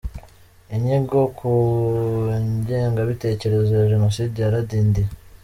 Inyigo ku ngengabitekerezo ya Jenoside yaradindiye.